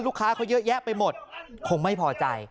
ลูกค้าเขาเยอะแยะไปหมดคงไม่พอใจ